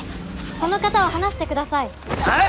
その方を放してくださいあぁ？